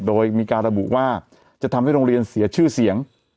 โดยมีการระบุว่าจะทำให้โรงเรียนเสียชื่อเสียง